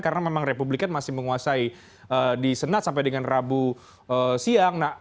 karena memang republikan masih menguasai di senat sampai dengan rabu siang